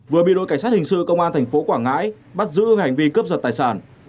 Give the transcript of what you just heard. vừa bị đội cảnh sát hình sự công an thành phố quảng ngãi bắt giữ hành vi cướp giật tài sản